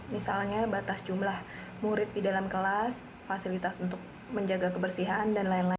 misalnya batas jumlah murid di dalam kelas fasilitas untuk menjaga kebersihan dan lain lain